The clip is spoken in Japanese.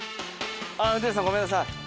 運転手さんごめんなさい。